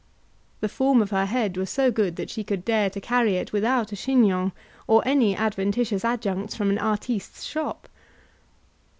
The form of her head was so good that she could dare to carry it without a chignon, or any adventitious adjuncts from an artiste's shop.